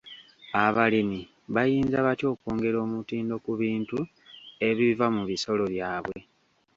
Abalimi bayinza batya okwongera omutindo ku bintu ebiva mu bisolo byabwe?